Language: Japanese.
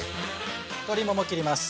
鶏もも切ります。